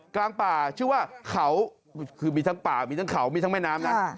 กลางป่าชื่อว่าเขาคือมีทั้งป่ามีทั้งเขามีทั้งแม่น้ำนะ